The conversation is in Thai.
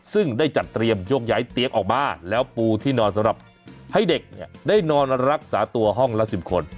ซึ่งได้จัดเตรียมยกย้ายเตียงออกมาแล้วปูที่นอนสำหรับให้เด็กได้นอนรักษาตัวห้องละ๑๐คน